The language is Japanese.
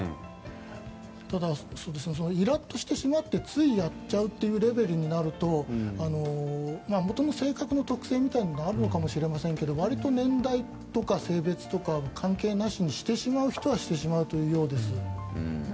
ただイラッとしてしまってついやっちゃうというレベルになると元の性格の特性みたいなのもあるかもしれませんがわりと年代、性別とか関係なしに、してしまう人はしてしまうようです。